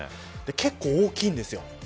結構大きいんです。